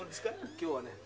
今日はね